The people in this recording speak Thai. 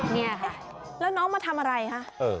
เนี่ยค่ะแล้วน้องมาทำอะไรฮะเออ